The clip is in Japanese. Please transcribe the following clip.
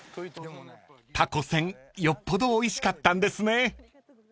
［たこせんよっぽどおいしかったんですね］